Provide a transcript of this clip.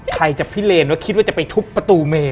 ใครจะพิเลนว่าคิดว่าจะไปทุบประตูเม